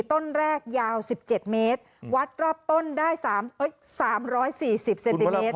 ต้นแรกยาว๑๗เมตรวัดรอบต้นได้๓๔๐เซนติเมตร